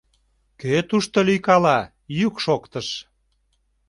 — Кӧ тушто лӱйкала! — йӱк шоктыш.